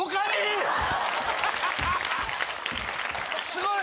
すごい。